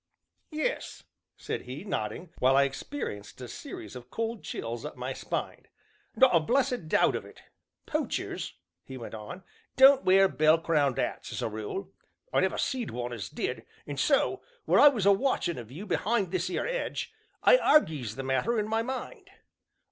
"Yes," said he, nodding, while I experienced a series of cold chills up my spine, "not a blessed doubt of it. Poachers," he went on, "don't wear bell crowned 'ats as a rule I never seed one as did; and so, while I was a watchin' of you be'ind this 'ere 'edge, I argies the matter in my mind.